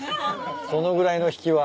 そのぐらいの引きは。